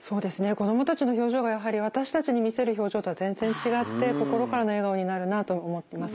子供たちの表情がやはり私たちに見せる表情とは全然違って心からの笑顔になるなと思ってます。